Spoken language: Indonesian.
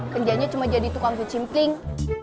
kerjanya cuma jadi tukang ke cimpling